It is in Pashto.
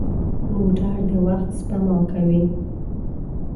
موټر د وخت سپما کوي.